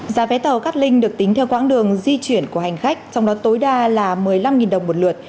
giá vé tàu cát linh được tính theo quãng đường di chuyển của hành khách trong đó tối đa là một mươi năm đồng một lượt